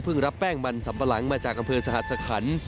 รับแป้งมันสัมปะหลังมาจากอำเภอสหัสคัน